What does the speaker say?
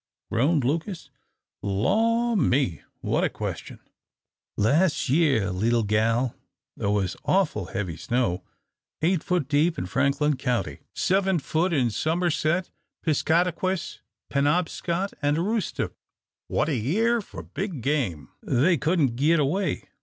groaned Lucas. "Law me, what a question! Las' year, leetle gal, thar was awful heavy snow, eight foot deep in Franklin County, seven foot in Somerset, Piscataquis, Penobscot, and Aroostook. What a year for big game! They couldn't git away.